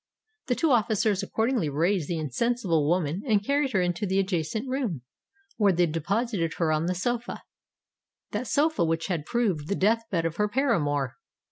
The two officers accordingly raised the insensible woman and carried her into the adjacent room, where they deposited her on the sofa—that sofa which had proved the death bed of her paramour!